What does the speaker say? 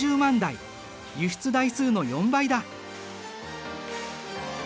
輸出台数の４倍だ。